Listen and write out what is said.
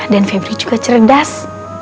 dan febri juga cerdas